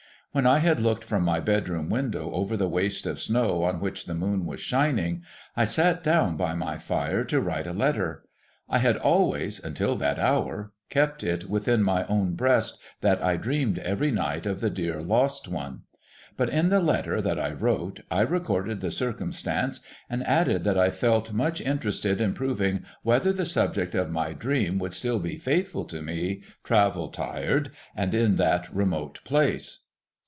When I had looked from my bedroom window over the waste of snow on which the moon was shining, I sat down by my fire to write a letter. I had always, until that hour, kept it within my own breast that I dreamed every night of the dear lost one. But in the letter that I wrote I recorded the circumstance, and added that I felt much interested in proving whether the subject of my dream would still be faithful to me, travel tired, and in that remote place.